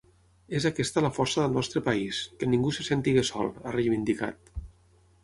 “És aquesta la força del nostre país, que ningú se senti sol”, ha reivindicat.